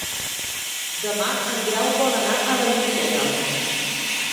Demà en Grau vol anar a la biblioteca.